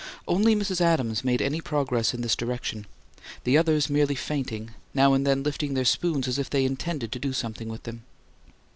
Only Mrs. Adams made any progress in this direction; the others merely feinting, now and then lifting their spoons as if they intended to do something with them.